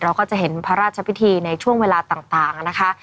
เราก็จะเห็นพระราชพิธีในช่วงเวลาต่างนะคะ